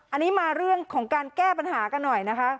อันนี้มาเรื่องของการแก้ปัญหากันหน่อยนะคะ